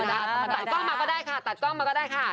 ตัดกล้องมาก็ได้ค่ะตัดกล้องมาก็ได้ค่ะ